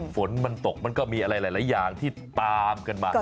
ฝนมันตกมันก็มีอะไรหลายอย่างที่ตามกันมา